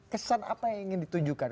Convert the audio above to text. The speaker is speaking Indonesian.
kesan apa yang ingin ditujukan